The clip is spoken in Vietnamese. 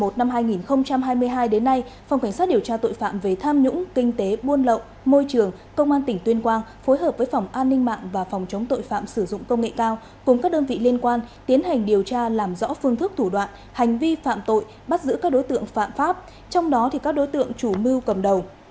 từ năm hai nghìn hai mươi hai đến nay phòng cảnh sát điều tra tội phạm về tham nhũng kinh tế buôn lậu môi trường công an tỉnh tuyên quang phối hợp với phòng an ninh mạng và phòng chống tội phạm sử dụng công nghệ cao cùng các đơn vị liên quan tiến hành điều tra làm rõ phương thức thủ đoạn hành vi phạm tội bắt giữ các đối tượng phạm pháp trong đó các đối tượng chủ mưu cầm đầu